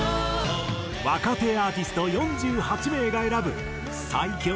若手アーティスト４８名が選ぶ最強